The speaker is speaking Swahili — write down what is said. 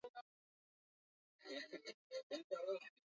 inapo magharibi mwa bahari alkazau